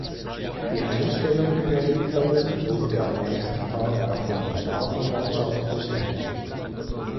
Die Einstellung der Ermittlungen wurde am nächsten Tag auch von der Staatsanwaltschaft bestätigt.